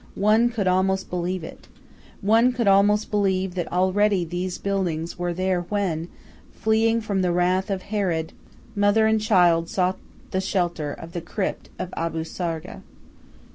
One could almost believe it. One could almost believe that already these buildings were there when, fleeing from the wrath of Herod, Mother and Child sought the shelter of the crypt of Abu Sargah.